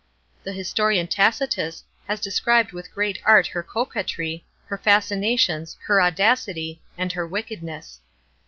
The historian Tacitus has described with great art her coquetry, her fascinations, her audacity, and her wickedness.